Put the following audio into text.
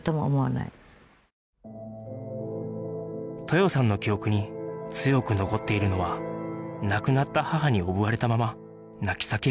豊さんの記憶に強く残っているのは亡くなった母におぶわれたまま泣き叫ぶ赤ちゃん